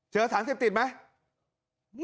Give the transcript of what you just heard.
สารเสพติดไหม